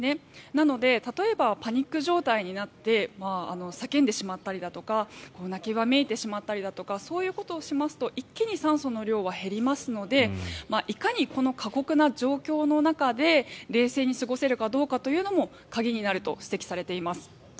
なので例えば、パニック状態になって叫んでしまったりだとか泣きわめいてしまったりだとかそういうことをしますと一気に酸素の量は減りますのでいかにこの過酷な状況の中で冷静に過ごせるかどうかも鍵になると指摘されています。